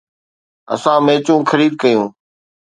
اسان ميچون خريد ڪيون.